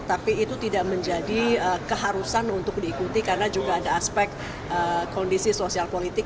tapi itu tidak menjadi keharusan untuk diikuti karena juga ada aspek kondisi sosial politik